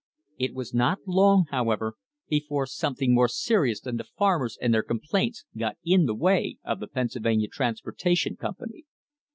It was not long, however, before something more serious than the farmers and their complaints got in the way of the Pennsylvania Transportation Company.